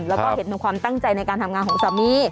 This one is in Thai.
แล้วก็เห็นถึงความตั้งใจในการทำงานของสามี